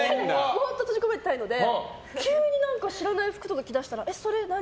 本当は閉じ込めてたいので急に知らない服とか着だしたら、それ何？